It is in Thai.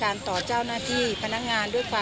สาโชค